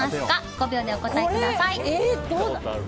５秒でお答えください。